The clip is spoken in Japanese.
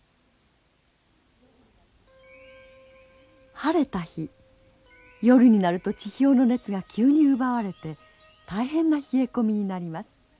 晴れた日夜になると地表の熱が急に奪われて大変な冷え込みになります。